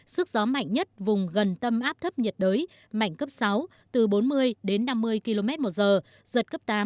sức gió mạnh nhất vùng gần tâm áp thấp nhiệt đới mạnh cấp sáu từ bốn mươi đến năm mươi km một giờ giật cấp tám